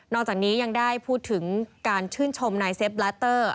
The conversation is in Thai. จากนี้ยังได้พูดถึงการชื่นชมนายเซฟลาเตอร์